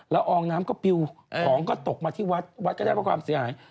อองน้ำก็ปิวของก็ตกมาที่วัดวัดก็ได้รับความเสียหาย